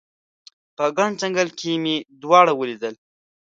په ګڼ ځنګل کې مې دواړه ولیدل